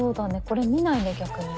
これ見ないね逆に。